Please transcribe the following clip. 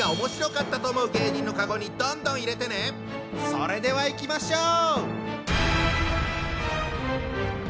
それではいきましょう！